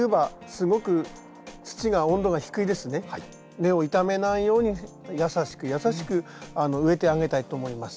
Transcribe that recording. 根を傷めないように優しく優しく植えてあげたいと思います。